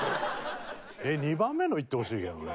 ２番目の言ってほしいけどね。